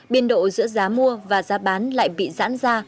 biên độ giữa giá mua và giá bán lại bị giãn ra